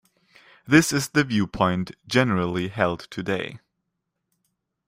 This is the viewpoint generally held today.